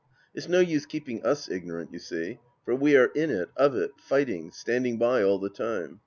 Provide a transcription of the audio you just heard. " It's no use keeping us ignorant, you see. For we are in it, of it, fighting, standing by all the time.